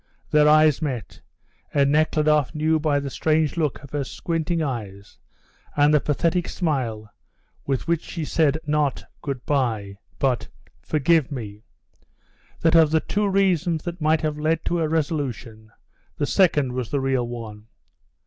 Their eyes met, and Nekhludoff knew by the strange look of her squinting eyes and the pathetic smile with which she said not "Good bye" but "Forgive me," that of the two reasons that might have led to her resolution, the second was the real one.